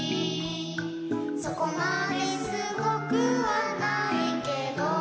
「そこまですごくはないけど」